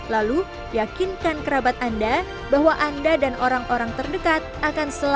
lalu yakinkan kerabat anda bahwa anda dan orang orang terdekat akan selalu